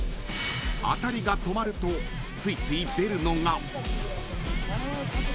［当たりが止まるとついつい出るのが］